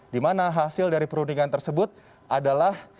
dimana hasil dari perundingan tersebut adalah